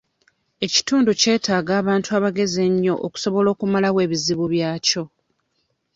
Ekitundu kyetaaga abantu abagezi ennyo okusobola okumalawo ebizibu byakyo.